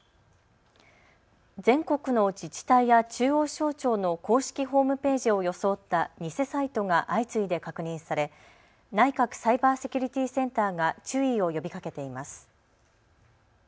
全国の自治体や中央省庁の公式ホームページを装った偽サイトが相次いで確認され内閣サイバーセキュリティセンターが注意を呼びかけています。